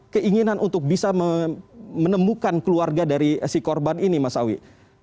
keinginan untuk bisa menemukan keluarga dari si korban ini mas awi